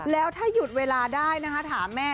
แล้วถ้าหยุดเวลาได้นะคะถามแม่